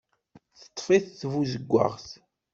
Teṭṭef-it tbuzeggaɣt.